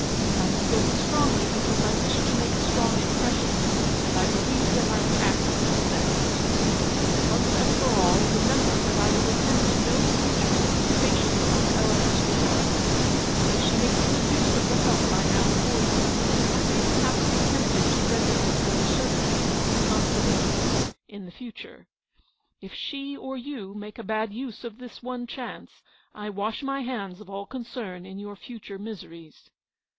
I have spoken strongly because I wished to make a strong impression, and I believe that I have acted for the best. " Once for all, remember that I will attend to THE ENTRESOL IN THE RUE DE l'aP.CHEVEQUE. 33 no future solicitations on Eleanor's behalf. If she makes good use of the help I now afford her, I may perhaps be tempted to render her further services — unsolicited — in the future. If she or you make a bad use of this one chance, I wash my hands of all concern in your future miseries.